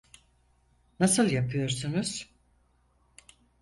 Nasıl yapıyorsunuz?